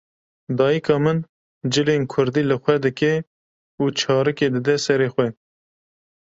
Dayîka min cilên kurdî li xwe dike û çarikê dide sere xwe.